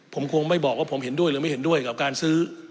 ผมคงไม่บอกว่าผมเห็นด้วยหรือไม่เห็นด้วยกับการซื้อ